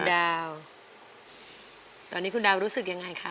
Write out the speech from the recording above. ดาวตอนนี้คุณดาวรู้สึกยังไงคะ